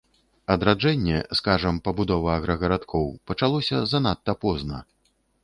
Адраджэнне, скажам, пабудова аграгарадкоў, пачалося занадта позна.